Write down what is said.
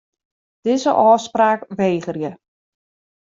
Dizze ôfspraak wegerje.